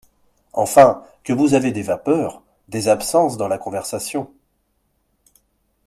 Enfin, que vous avez des vapeurs, des absences dans la conversation…